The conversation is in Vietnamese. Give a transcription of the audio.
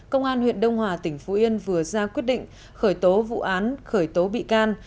công an huyện đông hòa tỉnh phú yên vừa ra quyết định khởi tố vụ án khởi tố bị can